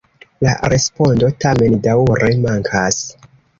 La respondo tamen daŭre mankas.